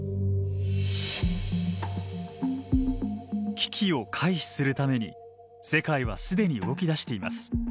危機を回避するために世界は既に動きだしています。